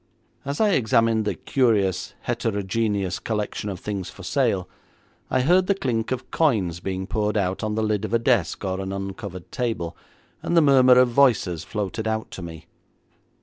As I examined the curious heterogeneous collection of things for sale, I heard the clink of coins being poured out on the lid of a desk or an uncovered table, and the murmur of voices floated out to me.